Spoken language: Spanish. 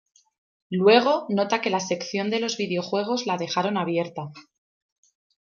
Luego, nota que la sección de los videojuegos la dejaron abierta.